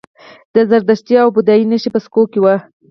د زردشتي او بودايي نښې په سکو وې